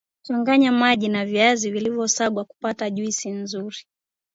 changanya maji na viazi vilivyosagwa kupata juisi nzuri